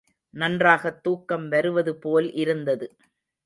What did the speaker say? நன்றாகத் தூக்கம் வருவது போல் இருந்தது.